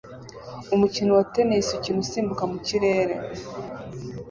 Umukino wa tennis ukina usimbuka mu kirere